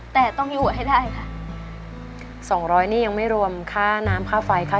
แต่ต้องอยู่ให้ได้ค่ะสองร้อยนี่ยังไม่รวมค่าน้ำค่าไฟค่า